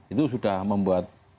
itu sudah membuat